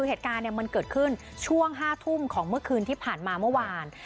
เหตุการณ์มันเกิดขึ้นช่วง๕ทุ่มของเมื่อคืนที่ผ่านมาเมื่อวาน